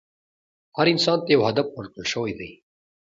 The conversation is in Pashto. هر انسان ته یو هدف ورکړل شوی دی.